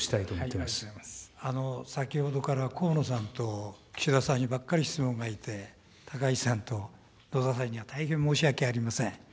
先ほどから河野さんと岸田さんにばっかり質問がいって、高市さんと野田さんに大変申し訳ありません。